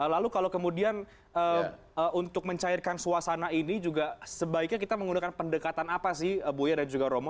lalu kalau kemudian untuk mencairkan suasana ini juga sebaiknya kita menggunakan pendekatan apa sih buya dan juga romo